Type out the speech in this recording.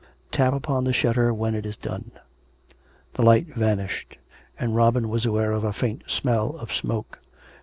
Tap upon the shutter when it is done." The light vanished, and Robin was aware of a faint smell of smoke.